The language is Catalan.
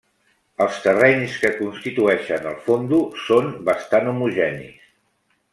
Els terrenys que constituïxen el Fondo són bastant homogenis.